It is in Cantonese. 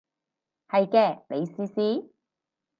係嘅，你試試